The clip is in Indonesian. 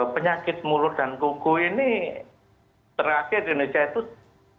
penyakit mulut dan kuku ini terakhir di indonesia itu